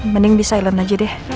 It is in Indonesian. mending di silent aja deh